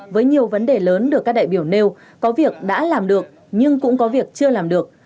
với nhiều vấn đề lớn được các đại biểu nêu có việc đã làm được nhưng cũng có việc chưa làm được